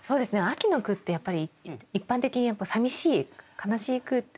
秋の句ってやっぱり一般的にやっぱさみしい悲しい句が。